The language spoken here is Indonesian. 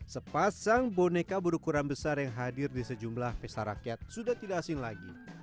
sepasang boneka berukuran besar yang hadir di sejumlah pesta rakyat sudah tidak asing lagi